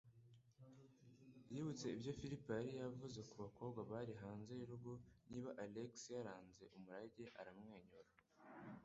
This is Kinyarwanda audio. Yibutse ibyo Felipa yari yavuze ku bakobwa bari hanze y'urugo niba Alex yaranze umurage, aramwenyura.